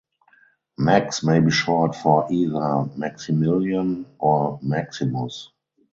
Max may be short for either "Maximilian" or "Maximus".